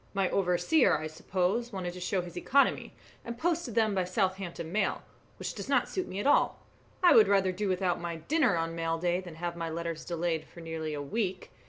"My overseer, I suppose, wanted to show his economy, and posted them by the Southampton mail, which does not suit me at all. I would rather do without my dinner on mail day than have my letters delayed for nearly a week.